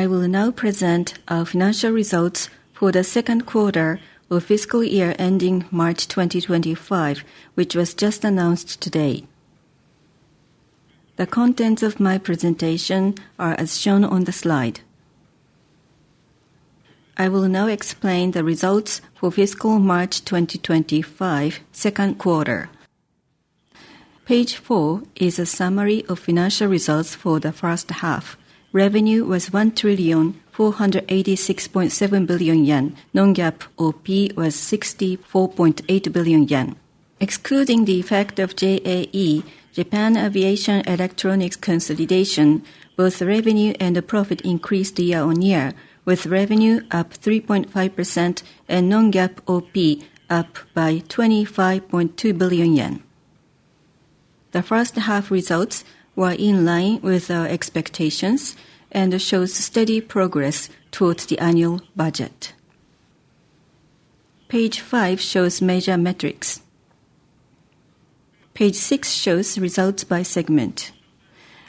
I will now present our financial results for the second quarter of fiscal year ending March 2025, which was just announced today. The contents of my presentation are as shown on the slide. I will now explain the results for fiscal March 2025, second quarter. Page four is a summary of financial results for the first half. Revenue was 1,486.7 billion yen. Non-GAAP OP was 64.8 billion yen. Excluding the effect of JAE, Japan Aviation Electronics consolidation, both revenue and the profit increased year-on-year, with revenue up 3.5% and non-GAAP OP up by 25.2 billion yen. The first half results were in line with our expectations and shows steady progress towards the annual budget. Page five shows major metrics. Page six shows results by segment.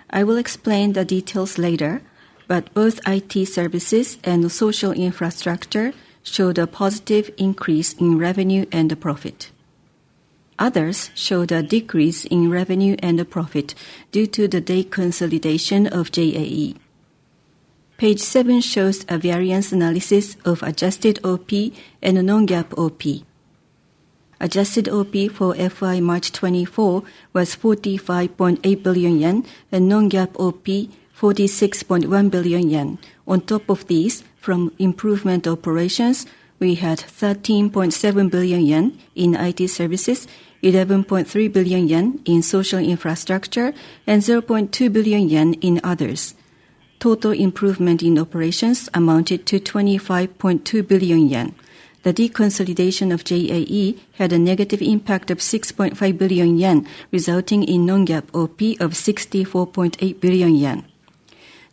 I will explain the details later, but both IT services and social infrastructure showed a positive increase in revenue and the profit. Others showed a decrease in revenue and the profit due to the deconsolidation of JAE. Page seven shows a variance analysis of adjusted OP and a non-GAAP OP. Adjusted OP for FY March 2024 was 45.8 billion yen, and non-GAAP OP, 46.1 billion yen. On top of these, from improvement operations, we had 13.7 billion yen in IT services, 11.3 billion yen in social infrastructure, and 0.2 billion yen in others. Total improvement in operations amounted to 25.2 billion yen. The deconsolidation of JAE had a negative impact of 6.5 billion yen, resulting in non-GAAP OP of 64.8 billion yen.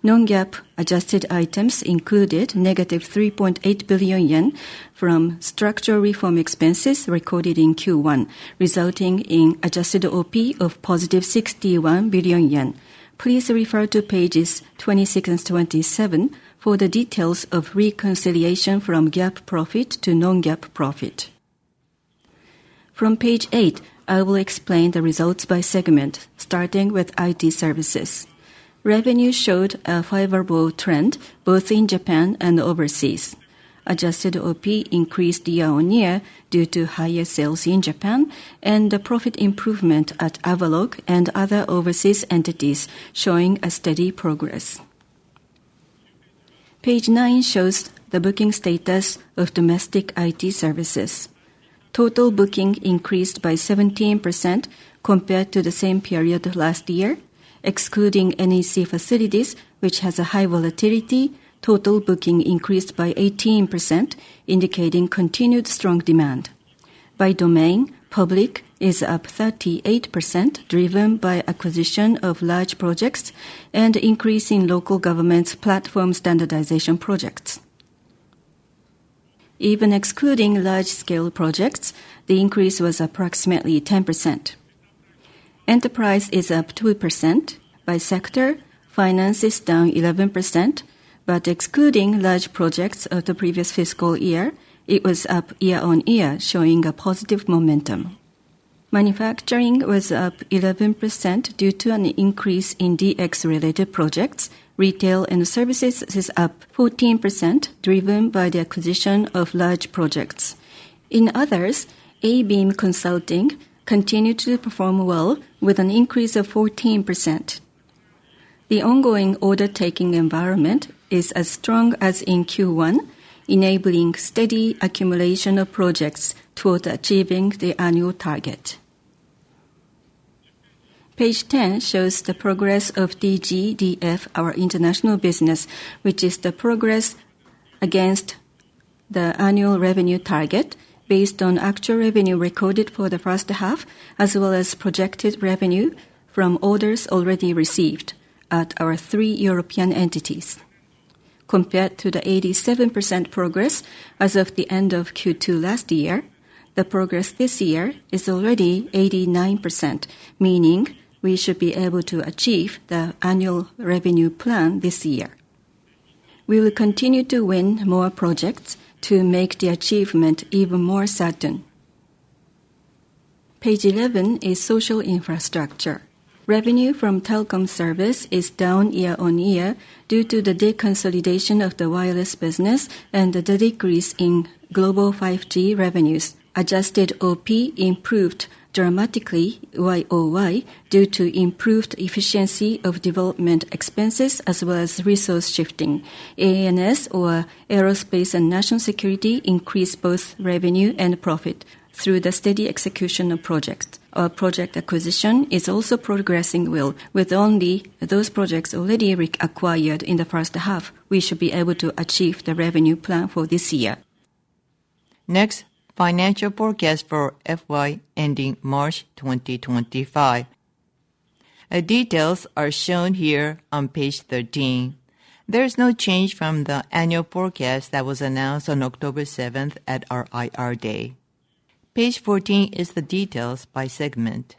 Non-GAAP adjusted items included -3.8 billion yen from structural reform expenses recorded in Q1, resulting in adjusted OP of 61 billion yen. Please refer to pages 26 and 27 for the details of reconciliation from GAAP profit to non-GAAP profit. From page 8, I will explain the results by segment, starting with IT services. Revenue showed a favorable trend, both in Japan and overseas. Adjusted OP increased year-on-year due to higher sales in Japan and the profit improvement at Avaloq and other overseas entities, showing a steady progress. Page nine shows the booking status of domestic IT services. Total booking increased by 17% compared to the same period last year. Excluding NEC Facilities, which has a high volatility, total booking increased by 18%, indicating continued strong demand. By domain, public is up 38%, driven by acquisition of large projects and increase in local governments' platform standardization projects. Even excluding large-scale projects, the increase was approximately 10%. Enterprise is up 2%. By sector, finance is down 11%, but excluding large projects of the previous fiscal year, it was up year-on-year, showing a positive momentum. Manufacturing was up 11% due to an increase in DX-related projects. Retail and services is up 14%, driven by the acquisition of large projects. In others, ABeam Consulting continued to perform well with an increase of 14%. The ongoing order-taking environment is as strong as in Q1, enabling steady accumulation of projects towards achieving the annual target. Page ten shows the progress of DGDF, our international business, which is the progress against the annual revenue target based on actual revenue recorded for the first half, as well as projected revenue from orders already received at our three European entities. Compared to the 87% progress as of the end of Q2 last year, the progress this year is already 89%, meaning we should be able to achieve the annual revenue plan this year. We will continue to win more projects to make the achievement even more certain. Page eleven is social infrastructure. Revenue from telecom service is down year-on-year due to the deconsolidation of the wireless business and the decrease in global 5G revenues. Adjusted OP improved dramatically YoY due to improved efficiency of development expenses as well as resource shifting. A&S, or Aerospace and National Security, increased both revenue and profit through the steady execution of projects. Our project acquisition is also progressing well. With only those projects already acquired in the first half, we should be able to achieve the revenue plan for this year. Next, financial forecast for FY ending March 2025. Details are shown here on page thirteen. There is no change from the annual forecast that was announced on October seventh at our IR Day.... Page fourteen is the details by segment.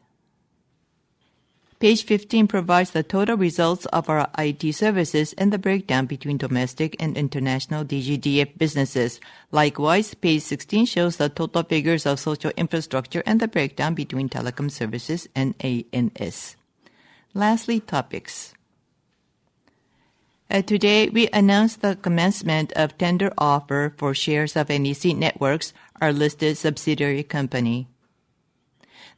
Page fifteen provides the total results of our IT services and the breakdown between domestic and international DGDF businesses. Likewise, page sixteen shows the total figures of social infrastructure and the breakdown between telecom services and A&S. Lastly, topics. Today, we announced the commencement of tender offer for shares of NEC Networks, our listed subsidiary company.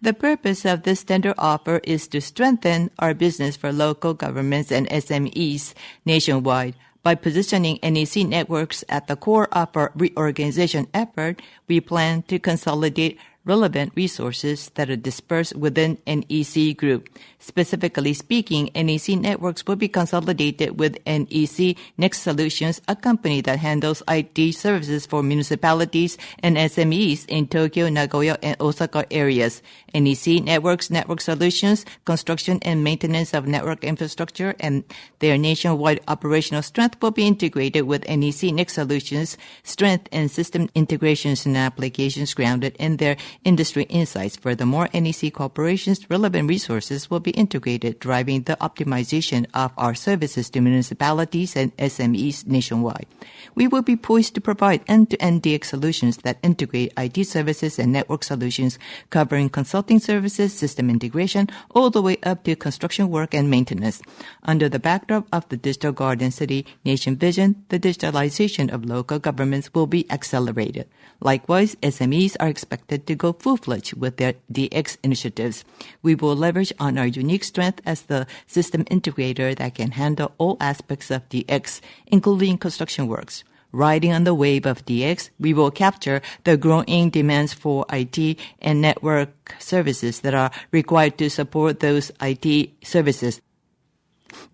The purpose of this tender offer is to strengthen our business for local governments and SMEs nationwide. By positioning NEC Networks at the core of our reorganization effort, we plan to consolidate relevant resources that are dispersed within NEC Group. Specifically speaking, NEC Networks will be consolidated with NEC Nexsolutions, a company that handles IT services for municipalities and SMEs in Tokyo, Nagoya, and Osaka areas. NEC Networks' network solutions, construction and maintenance of network infrastructure, and their nationwide operational strength will be integrated with NEC Nexsolutions' strength and system integrations and applications grounded in their industry insights. Furthermore, NEC Corporation's relevant resources will be integrated, driving the optimization of our services to municipalities and SMEs nationwide. We will be poised to provide end-to-end DX solutions that integrate IT services and network solutions, covering consulting services, system integration, all the way up to construction work and maintenance. Under the backdrop of the Digital Garden City Nation vision, the digitalization of local governments will be accelerated. Likewise, SMEs are expected to go full-fledged with their DX initiatives. We will leverage on our unique strength as the system integrator that can handle all aspects of DX, including construction works. Riding on the wave of DX, we will capture the growing demands for IT and network services that are required to support those IT services.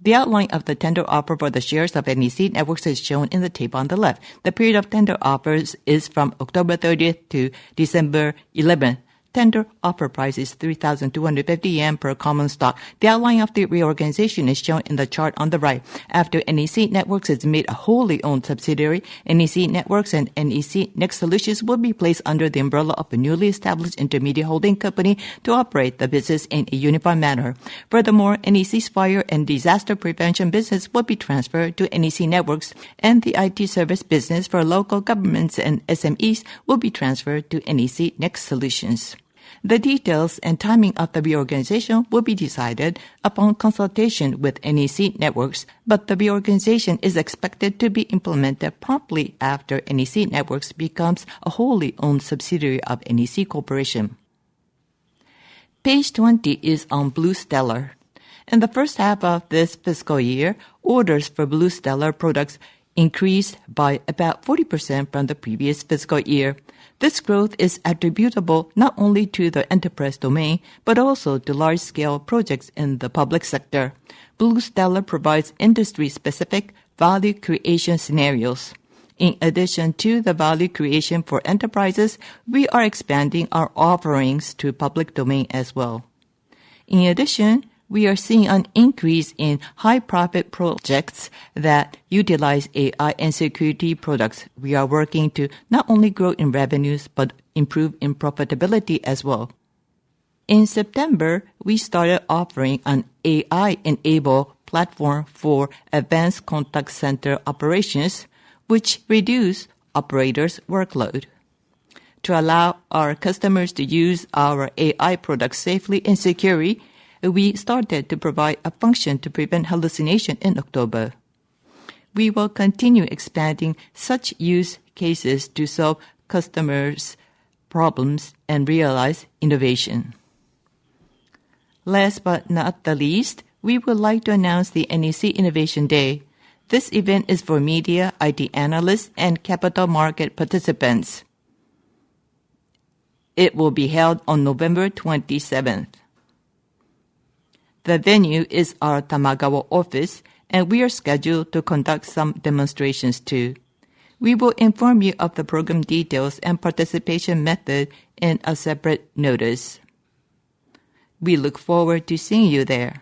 The outline of the tender offer for the shares of NEC Networks is shown in the table on the left. The period of tender offers is from October thirtieth to December eleventh. Tender offer price is 3,250 yen per common stock. The outline of the reorganization is shown in the chart on the right. After NEC Networks is made a wholly owned subsidiary, NEC Networks and NEC Nexsolutions will be placed under the umbrella of a newly established intermediate holding company to operate the business in a unified manner. Furthermore, NEC's fire and disaster prevention business will be transferred to NEC Networks, and the IT service business for local governments and SMEs will be transferred to NEC Nexsolutions. The details and timing of the reorganization will be decided upon consultation with NEC Networks, but the reorganization is expected to be implemented promptly after NEC Networks becomes a wholly owned subsidiary of NEC Corporation. Page 20 is on BluStellar. In the first half of this fiscal year, orders for BluStellar products increased by about 40% from the previous fiscal year. This growth is attributable not only to the enterprise domain, but also to large-scale projects in the public sector. BluStellar provides industry-specific value creation scenarios. In addition to the value creation for enterprises, we are expanding our offerings to public domain as well. In addition, we are seeing an increase in high-profit projects that utilize AI and security products. We are working to not only grow in revenues, but improve in profitability as well. In September, we started offering an AI-enabled platform for advanced contact center operations, which reduce operators' workload. To allow our customers to use our AI products safely and securely, we started to provide a function to prevent hallucination in October. We will continue expanding such use cases to solve customers' problems and realize innovation. Last but not the least, we would like to announce the NEC Innovation Day. This event is for media, IT analysts, and capital market participants. It will be held on November twenty-seventh. The venue is our Tamagawa office, and we are scheduled to conduct some demonstrations, too. We will inform you of the program details and participation method in a separate notice. We look forward to seeing you there.